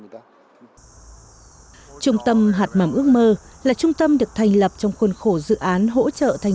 trung tâm hạt mắm ước mơ là trung tâm được thành lập trong khuôn khổ dự án hỗ trợ thành